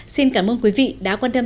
xin cảm ơn quý vị đã quan tâm